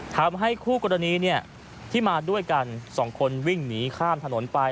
ทำให้คู่กรณีที่มาด้วยกัน๒คนวิ่งหนีข้ามถนนไป